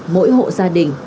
mỗi hộ gia đình